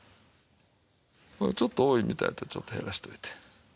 こうちょっと多いみたいやったらちょっと減らしておいて。